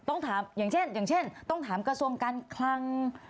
ต้องถามอย่างเช่นอย่างเช่นต้องถามกระทรวงการคลัง